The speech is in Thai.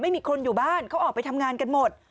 ไม่มีคนอยู่บ้านเขาออกไปทำงานกันหมด